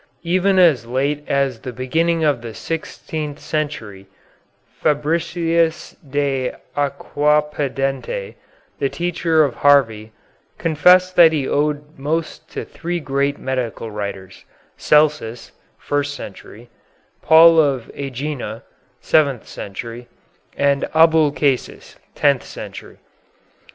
Even as late as the beginning of the sixteenth century Fabricius de Acquapendente, the teacher of Harvey, confessed that he owed most to three great medical writers, Celsus (first century), Paul of Ægina (seventh century), and Abulcasis (tenth century).